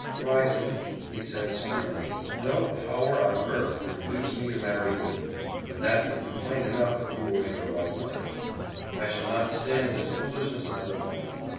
Rising, he said sternly, "No power on earth could induce me to marry you, and that would be plain enough if you were in your right mind. I shall not stand this foolishness another moment.